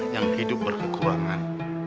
yang hidup berkekurangan